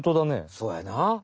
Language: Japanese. そうやな！